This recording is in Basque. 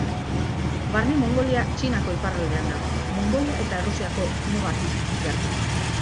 Barne Mongolia Txinako iparraldean dago, Mongolia eta Errusiako mugatik gertu.